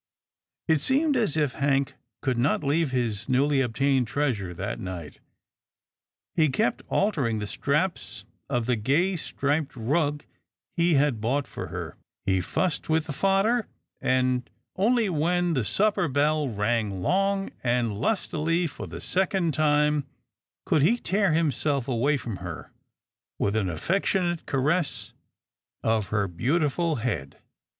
It seemed as if Hank could not leave his newly obtained treasure that night. He kept altering the straps of the gay, striped rug he had bought for her, he fussed with the fodder, and only when the sup per bell rang long and lustily for the second time could he tear himself away from her, with an af fectionate caress of her beautiful head.